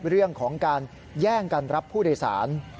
เรื่องของการแย่งกันรับผู้โดยสาร